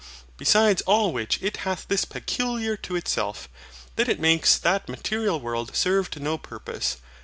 Besides all which it hath this peculiar to itself; that it makes that material world serve to no purpose.